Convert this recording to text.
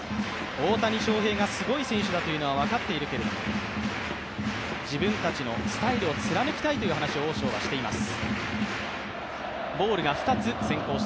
大谷翔平がすごい選手だというのは分かっているけれども、自分たちのスタイルを貫きたいという話をオウ・ショウはしています。